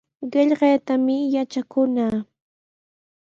Qillqaytami yatrakunaa.